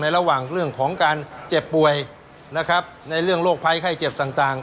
ระหว่างเรื่องของการเจ็บป่วยนะครับในเรื่องโรคภัยไข้เจ็บต่าง